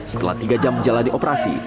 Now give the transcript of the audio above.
setelah tiga jam jalan dioperasi